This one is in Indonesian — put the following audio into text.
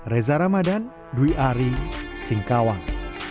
reza ramadan dwi ari singkawang